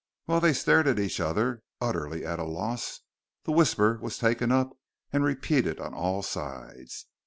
While they stared at each other, utterly at a loss, the whisper was taken up and repeated on all sides.